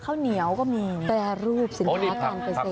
ข้าวเหนียวก็มีแปรรูปสินค้าการเกษตร